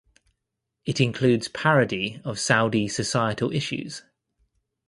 It includes parody of Saudi societal issues.